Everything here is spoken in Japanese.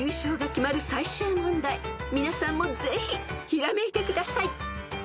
［皆さんもぜひひらめいてください］